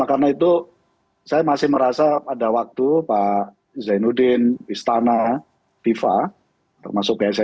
karena itu saya masih merasa pada waktu pak zainuddin istana tifa termasuk ya saya di sini